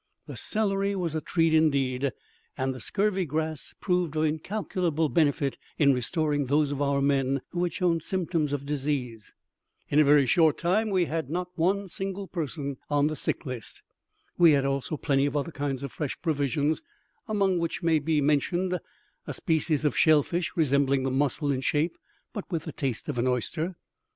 The celery was a treat indeed, and the scurvy grass proved of incalculable benefit in restoring those of our men who had shown symptoms of disease. In a very short time we had not a single person on the sick list. We had also plenty of other kinds of fresh provisions, among which may be mentioned a species of shellfish resembling the mussel in shape, but with the taste of an oyster.